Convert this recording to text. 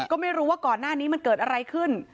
ก็ไม่รู้ว่าก่อนหน้านี้มันเกิดอะไรขึ้น